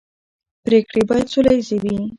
پرېکړې باید سوله ییزې وي